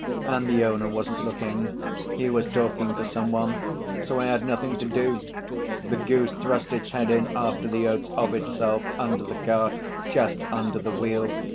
And the owner wasn't looking, he was talking to some one, so I had nothing to do, the goose thrust its head in after the oats of itself, under the cart, just under the wheel.